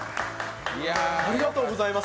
ありがとうございます。